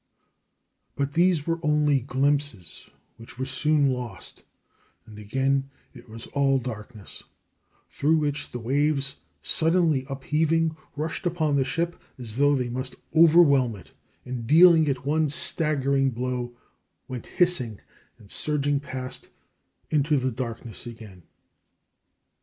But these were only glimpses, which were soon lost, and again it was all darkness, through which the waves, suddenly upheaving, rushed upon the ship as though they must overwhelm it, and dealing it one staggering blow, went hissing and surging past into the darkness again.